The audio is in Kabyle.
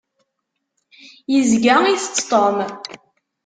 Yezga itett Tom.